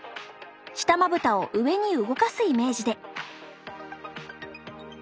下まぶたを上に動かすイメージで。